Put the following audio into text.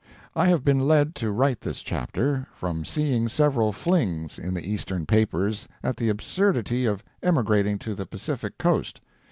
I have been led to write this chapter, from seeing several flings, in the Eastern papers, at the absurdity of emigrating to the Pacific coast.